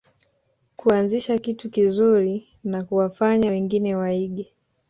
Kuanzisha kitu kizuri na kuwafanya wengine waige